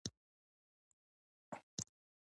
عبدالله بن ابی سرح په هغو څو محدودو کسانو کي ذکر کړ.